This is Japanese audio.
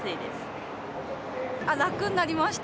楽になりました。